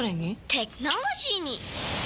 テクノロジーに！